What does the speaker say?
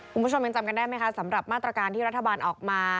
คุณผู้ชมยังจำกันได้ไหมคะสำหรับมาตรการที่รัฐบาลออกมา